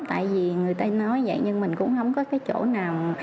tại vì người ta nói vậy nhưng mình cũng không có cái chỗ nào